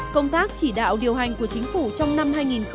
công tác chỉ đạo điều hành của chính phủ trong năm hai nghìn một mươi sáu